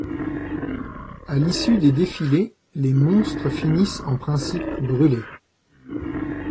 À l'issue des défilés, les monstres finissent en principe brûlés.